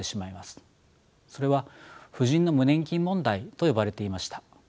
それは婦人の無年金問題と呼ばれていました。